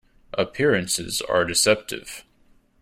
Appearances are deceptive.